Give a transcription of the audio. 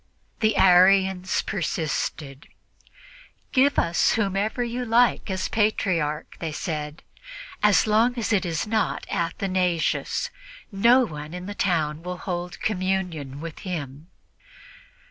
The Arians persisted. "Give us whomever you like as Patriarch," they said, "as long as it is not Athanasius. No one in the town will hold communion with him."